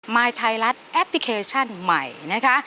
ยไทยรัฐแอปพลิเคชันใหม่นะคะ